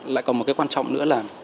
lại còn một cái quan trọng nữa là